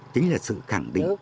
chính là sự khẳng định